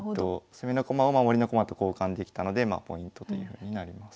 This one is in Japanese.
攻めの駒を守りの駒と交換できたのでポイントというふうになります。